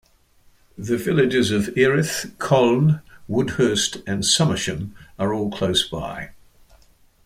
The villages of Earith, Colne, Woodhurst, and Somersham are all close by.